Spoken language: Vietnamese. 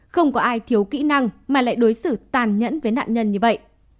không có ai thiếu kỹ năng mà lại đối xử tàn nhẫn với nạn nhân như vậy